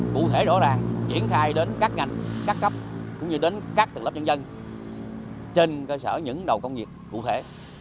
cụ thể rõ ràng triển khai đến các ngành các cấp cũng như đến các tầng lớp nhân dân trên cơ sở những đầu công việc cụ thể